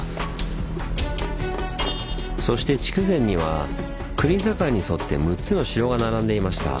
そして筑前には国境に沿って６つの城が並んでいました。